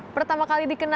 pertama kali dikenal